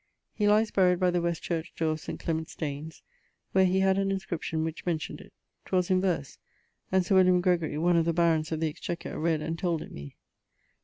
He lies buried by the west church dore of St. Clements Danes, where he had an inscription which mentioned it. 'Twas in verse and Sir William Gregorie (one of the Barons of the Exchequer) read and told it me.